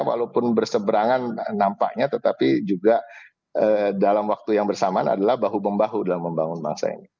walaupun berseberangan nampaknya tetapi juga dalam waktu yang bersamaan adalah bahu membahu dalam membangun bangsa ini